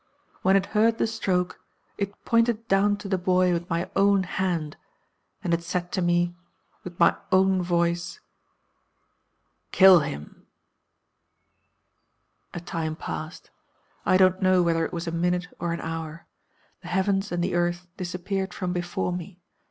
When it heard the stroke it pointed down to the boy with my own hand; and it said to me, with my own voice, 'Kill him.' "A time passed. I don't know whether it was a minute or an hour. The heavens and the earth disappeared from before me.